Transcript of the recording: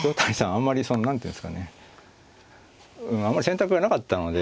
あんまりその何ていうんですかねあんまり選択がなかったので。